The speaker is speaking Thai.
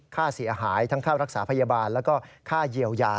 ค่าเสียหายทั้งค่ารักษาพยาบาลแล้วก็ค่าเยียวยา